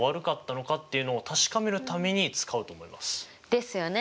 ですよね。